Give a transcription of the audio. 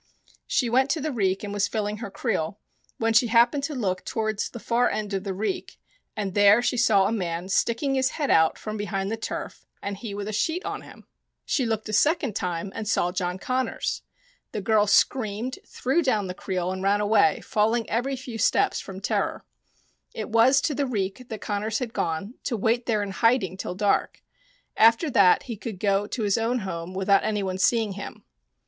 She went to the reek and was filling her creel, when she happened to look towards the far end of the reek, and there she saw a man sticking his head out from behind the turf, and he with a sheet on him. She looked * A long pile of turf. f Basket. *2 Tales of the Fairies a second time and saw John Connors. The girl screamed, threw down the creel, and ran away, falling every few steps from terror. It was to the reek that Connors had gone, to wait there in hiding till dark. After that he could go to his own house without any one seeing him.